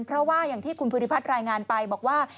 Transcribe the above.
เพราะว่าอย่างที่คุณภูริพัฒน์รายงานไปบอกว่า